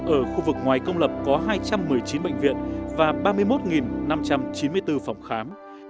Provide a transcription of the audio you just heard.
ở khu vực ngoài công lập có hai trăm một mươi chín bệnh viện và ba mươi một năm trăm chín mươi bốn phòng khám